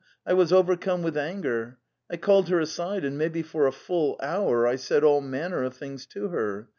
"I was overcome with anger. . ..I called her aside and maybe for a full hour I said all manner of things to her.